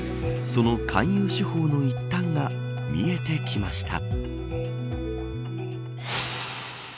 その勧誘手法の一端が見えてきました。